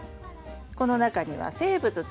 この中には生物多様性。